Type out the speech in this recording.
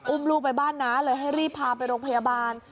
อุ้มลูกไปบ้านน้าหรือให้รีบพาไปโรงพยาบาล